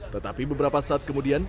tetapi beberapa saat kemudian